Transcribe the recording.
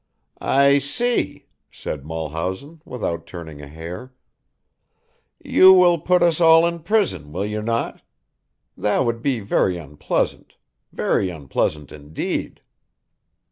"I see," said Mulhausen, without turning a hair, "you will put us all in prison, will you not? That would be very unpleasant. Very unpleasant indeed."